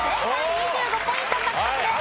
２５ポイント獲得です。